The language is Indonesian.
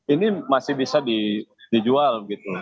ini masih bisa dijual gitu